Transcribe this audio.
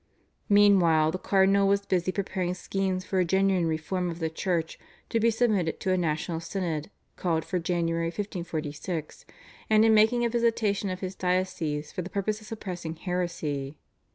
Meanwhile the cardinal was busy preparing schemes for a genuine reform of the Church to be submitted to a national synod called for January 1546, and in making a visitation of his diocese for the purpose of suppressing heresy.